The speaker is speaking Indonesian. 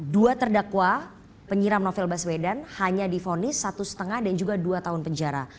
dua terdakwa penyiram novel baswedan hanya difonis satu lima dan juga dua tahun penjara